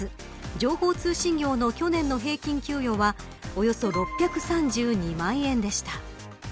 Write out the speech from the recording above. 情報通信業の去年の平均給与はおよそ６３２万円でした。